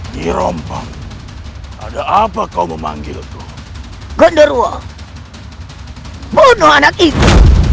dirompong ada apa kau memanggil tuh gondorwa bunuh anak itu